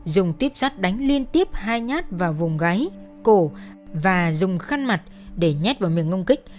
dùng tiếp sắt đánh liên tiếp hai nhát vào vùng gáy cổ và dùng khăn mặt để nhét vào miệng ông kích